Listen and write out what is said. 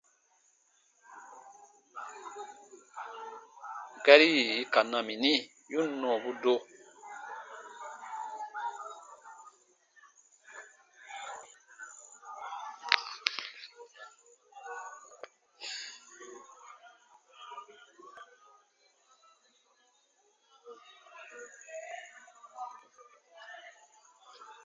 Gari yì i ka na mi, yi ǹ nɔɔbu do.